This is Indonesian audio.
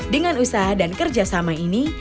dengan usaha dan kerjasama ini